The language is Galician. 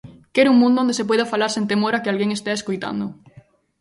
Quere un mundo onde se poida falar sen temor a que alguén estea escoitando.